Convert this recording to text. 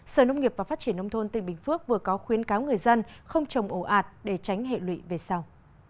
sở nông nghiệp và phát triển nông thôn tỉnh bình phước vừa có khuyến cáo người dân không trồng ổ ạt để tránh hệ lụy về sau